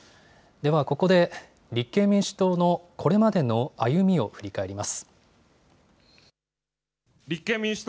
では、ここで立憲民主党のこれまでの歩みを振り返ります。